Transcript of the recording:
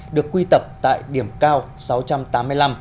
được quy tập tại điểm cao sáu trăm linh m